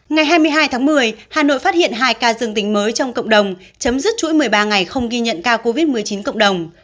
ngày hai mươi hai tháng một mươi hà nội phát hiện hai ca dương tính mới trong cộng đồng chấm dứt chuỗi một mươi ba ngày không ghi nhận ca covid một mươi chín cộng đồng